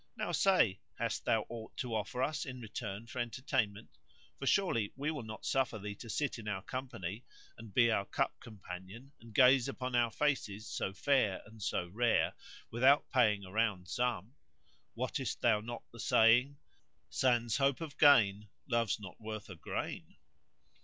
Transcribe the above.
Now say, hast thou aught to offer us in return for entertainment? For surely we will not suffer thee to sit in our company and be our cup companion, and gaze upon our faces so fair and so rare without paying a round sum.[FN#155] Wottest thou not the saying:— Sans hope of gain Love's not worth a grain?"